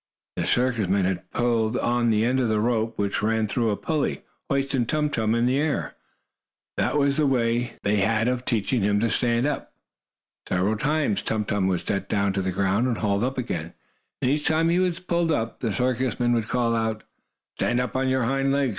The circus men had pulled on the end of the rope, which ran through a pulley, hoisting Tum Tum in the air. That was the way they had of teaching him to stand up. Several times Tum Tum was let down to the ground, and hauled up again, and each time he was pulled up, the circus man would call out: "Stand up on your hind legs!